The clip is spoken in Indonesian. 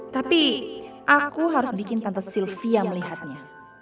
tapi aku harus bikin tanda sylvia melihatnya